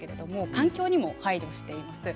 環境も配慮しています。